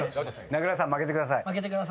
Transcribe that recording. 名倉さん負けてください。